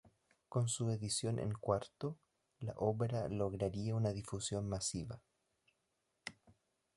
Con su edición en cuarto, la obra lograría una difusión masiva.